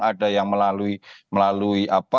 ada yang melalui apa